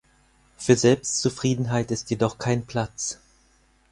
Für Selbstzufriedenheit ist jedoch kein Platz.